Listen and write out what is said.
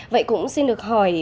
vậy cũng xin được hỏi